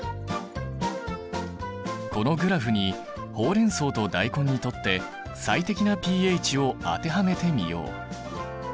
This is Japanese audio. このグラフにホウレンソウとダイコンにとって最適なｐＨを当てはめてみよう。